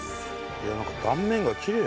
いやなんか断面がきれい。